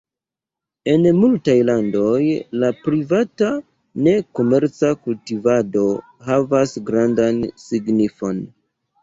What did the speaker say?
En multaj landoj la privata, ne komerca kultivado havas grandan signifon.